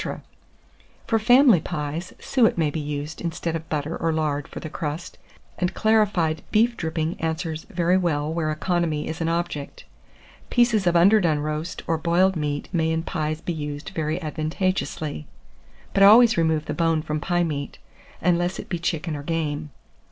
For family pies, suet may be used instead of butter or lard for the crust, and clarified beef dripping answers very well where economy is an object. Pieces of underdone roast or boiled meat may in pies be used very advantageously; but always remove the bone from pie meat, unless it be chicken or game.